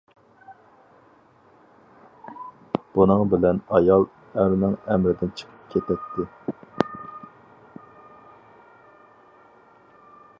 بۇنىڭ بىلەن ئايال ئەرنىڭ ئەمرىدىن چىقىپ كېتەتتى.